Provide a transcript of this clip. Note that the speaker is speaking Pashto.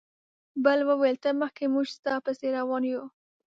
بل وویل ته مخکې موږ ستا پسې روان یو.